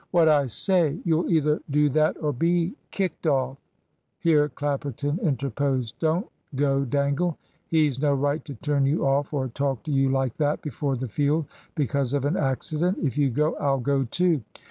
"What I say. You'll either do that or be kicked off." Here Clapperton interposed. "Don't go, Dangle; he's no right to turn you off or talk to you like that before the field because of an accident. If you go, I'll go too."